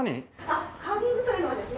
あっカービングというのはですね